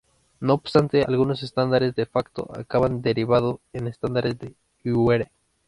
No obstante, algunos estándares "de facto" acaban derivando en estándares de iure.